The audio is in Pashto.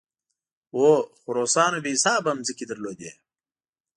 هو، خو روسانو بې حسابه ځمکې درلودې.